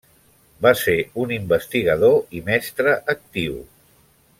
Va ser un investigador i mestre actiu.